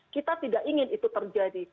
kita tidak ingin itu terjadi